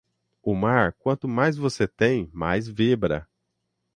O mar, quanto mais você tem, mais vibra.